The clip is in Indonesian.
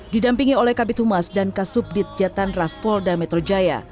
didampingi oleh kabit humas dan kasub ditjatan raspol dan metro jaya